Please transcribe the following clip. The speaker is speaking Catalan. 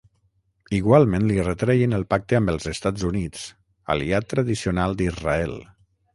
Igualment li retreien el pacte amb els Estats Units, aliat tradicional d'Israel.